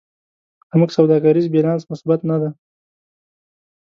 زموږ سوداګریز بیلانس مثبت نه دی.